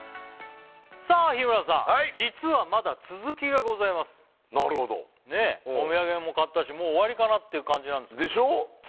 さあ日村さんはいなるほどねえお土産も買ったしもう終わりかなって感じなんですけどでしょう？